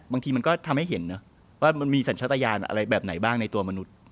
บางทีมันก็ทำให้เห็นนะว่ามันมีสัญชาตยานอะไรแบบไหนบ้างในตัวมนุษย์